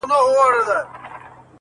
رنځ یې تللی له هډونو تر رګونو.!